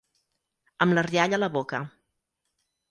Amb la rialla a la boca.